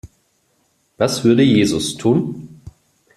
Was würde Jesus tun?